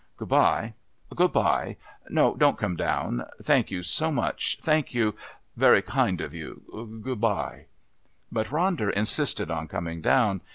"Good bye.... Good bye. No, don't come down. Thank you so much. Thank you. Very kind of you. Good bye." But Ronder insisted on coming down.